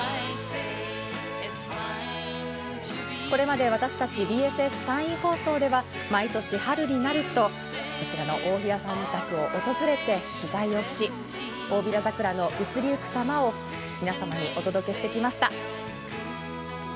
これまで私たちＢＳＳ山陰放送では毎年春になると、こちらの大平さん宅を訪れて取材をし、大平桜の移りゆく様を皆さんにお届けしてきました。